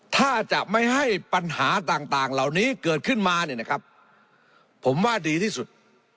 ถ้าจะไม่ให้ปัญหาต่างเหล่านี้เกิดขึ้นมาเนี่ยนะครับผมว่าดีที่สุด